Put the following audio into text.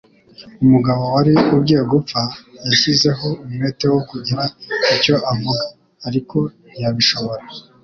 Umugabo wari ugiye gupfa yashyizeho umwete wo kugira icyo avuga, ariko ntiyabishobora.